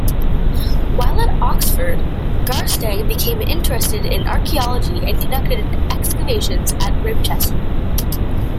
While at Oxford, Garstang became interested in archaeology and conducted excavations at Ribchester.